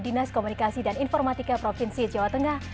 dinas komunikasi dan informatika provinsi jawa tengah